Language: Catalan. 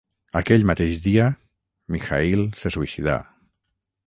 Aquell mateix dia, Mikhaïl se suïcidà.